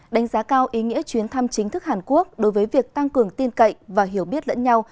đánh giá cao ý nghĩa chuyến thăm chính thức hàn quốc đối với việc tăng cường tin cậy và hiểu biết lẫn nhau